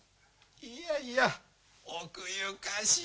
いやいや奥ゆかしい。